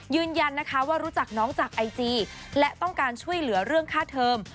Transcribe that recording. ยืนยันนะคะว่ารู้จักน้องจากไอจีและต้องการช่วยเหลือเรื่องค่าเทอม